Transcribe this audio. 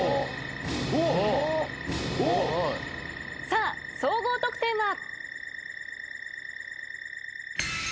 さあ総合得点は。